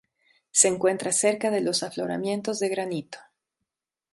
Se encuentra cerca de los afloramientos de granito.